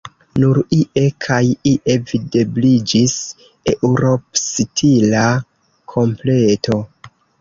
Nur ie kaj ie videbliĝis Eŭropstila kompleto.